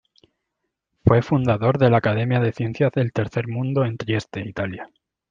Fue fundador de la Academia de Ciencias del Tercer Mundo, en Trieste, Italia.